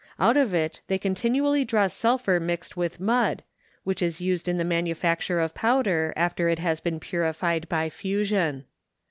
Out of it they continually draw sulphur mixed with mud, which is used in the manufacture of powder, after it has been purified by fusion.